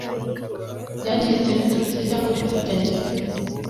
byangiritse biturutse cyangwa bifitanye